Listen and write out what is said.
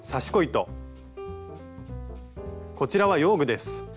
こちらは用具です。